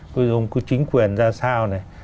ví dụ ông chính quyền ra sao này